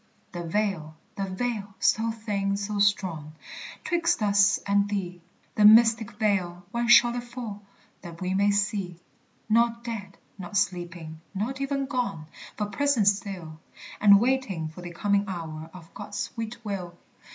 The veil! the veil! so thin, so strong! 'Twixt us and thee; The mystic veil! when shall it fall, That we may see? Not dead, not sleeping, not even gone, But present still, And waiting for the coming hour Of God's sweet will.